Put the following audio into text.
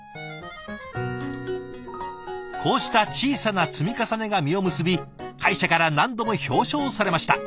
こうした小さな積み重ねが実を結び会社から何度も表彰されました。